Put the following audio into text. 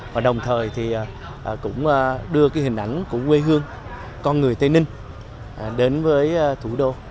và cũng đưa cái hình ảnh của quê hương con người tây ninh đến với thủ đô